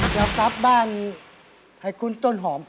จะกลับบ้านให้คุณต้นหอม